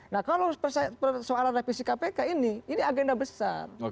nah kalau persoalan revisi kpk ini ini agenda besar